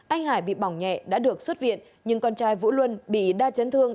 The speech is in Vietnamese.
anh hải bị bỏng nhẹ đã được xuất viện nhưng con trai vũ luân bị đa chấn thương